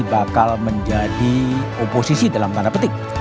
bakal menjadi oposisi dalam tanda petik